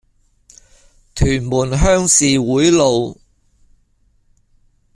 屯門鄉事會路